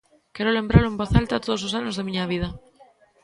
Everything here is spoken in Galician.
Quero lembralo en voz alta todos os anos da miña vida.